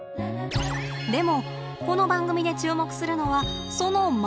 でもこの番組で注目するのはその前！